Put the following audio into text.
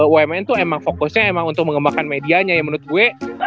bumn tuh emang fokusnya emang untuk mengembangkan medianya ya menurut gue